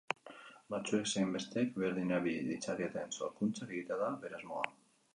Batzuek zein besteek berdin erabili ditzaketen sorkuntzak egitea da bere asmoa.